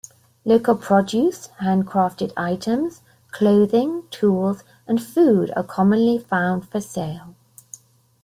Local produce, hand crafted items, clothing, tools and food are commonly found for sale.